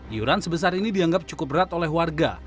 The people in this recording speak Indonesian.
iuran sebesar ini dianggap cukup berat oleh warga